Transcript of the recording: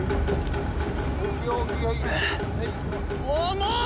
重い！